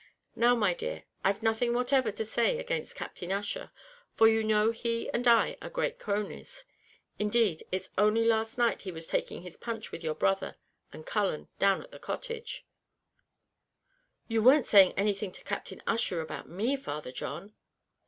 Now, my dear, I've nothing whatever to say against Captain Ussher, for you know he and I are great cronies; indeed, it's only last night he was taking his punch with your brother and Cullen down at the cottage " "You weren't saying anything to Captain Ussher about me, Father John?"